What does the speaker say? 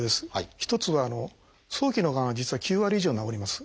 一つは早期のがんは実は９割以上治ります。